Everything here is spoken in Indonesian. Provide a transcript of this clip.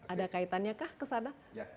ada kaitannya kah kesada